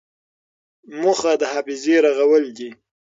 موخه د حافظې رغول دي.